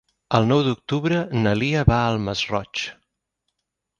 El nou d'octubre na Lia va al Masroig.